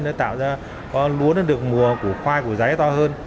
để tạo ra lúa được mùa của khoai của giấy to hơn